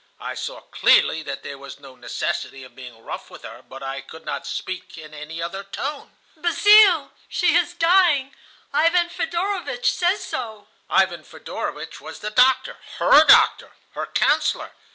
"I saw clearly that there was no necessity of being rough with her, but I could not speak in any other tone. "'Basile, she is dying. Ivan Fedorowitch says so.' "Ivan Fedorowitch was the doctor, her doctor, her counsellor.